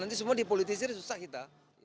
nanti semua dipolitisir susah kita